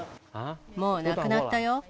もうなくなったよ。